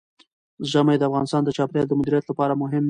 ژمی د افغانستان د چاپیریال د مدیریت لپاره مهم دي.